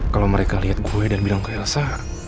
kalau mereka lihat gue dan bilang ke elsa